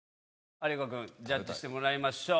有岡君ジャッジしてもらいましょう。